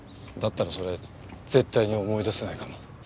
だったらそれ絶対に思い出せないかも。